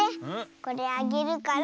これあげるから。